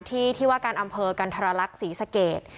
ที่ที่ว่าการอำเภอกันธรรลักษณ์ศรีสเกต